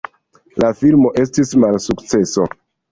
La filmo estis malsukceso.